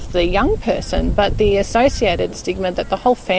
tetapi stigma asosiatif yang seluruh keluarga